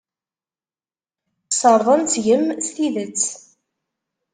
Sserḍen seg-m s tidet.